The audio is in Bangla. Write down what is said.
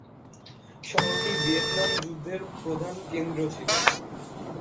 শহরটি ভিয়েতনাম যুদ্ধের প্রধান কেন্দ্র ছিল।